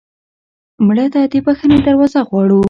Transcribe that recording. مړه ته د بښنې دروازه غواړو